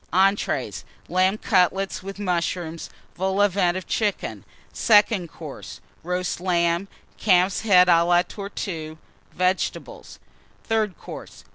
ENTREES. Lamb Cutlets and Mushrooms. Vol au Vent of Chicken. SECOND COURSE. Roast Lamb. Calf's Head à la Tortue. Vegetables. THIRD COURSE.